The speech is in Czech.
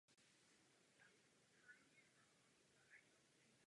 Je součástí širšího politického hnutí Jen anglicky.